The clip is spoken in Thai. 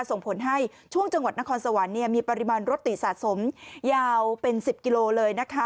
ส่งผลให้ช่วงจังหวัดนครสวรรค์มีปริมาณรถติดสะสมยาวเป็น๑๐กิโลเลยนะคะ